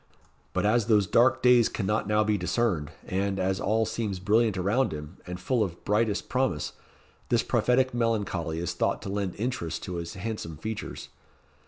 But as those dark days cannot now be discerned, and, as all seems brilliant around him, and full of brightest promise, this prophetic melancholy is thought to lend interest to his handsome features.